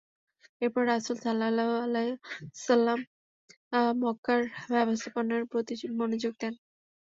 এরপর রাসূল সাল্লাল্লাহু আলাইহি ওয়াসাল্লাম মক্কার ব্যবস্থাপনার প্রতি মনোযোগ দেন।